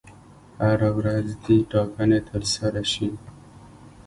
هره ورځ دي ټاکنې ترسره شي.